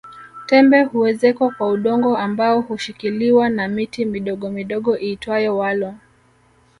Tembe huezekwa kwa udongo ambao hushikiliwa na miti midogomidogo iitwayo walo